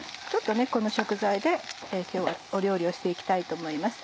この食材で今日は料理をして行きたいと思います。